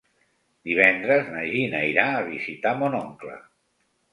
Divendres na Gina irà a visitar mon oncle.